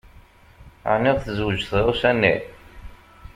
Ɛni tezweǧ tɣawsa-nni?